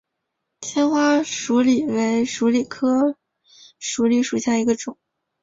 纤花鼠李为鼠李科鼠李属下的一个种。